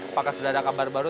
apakah sudah ada kabar baru